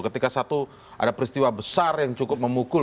ketika satu ada peristiwa besar yang cukup memukul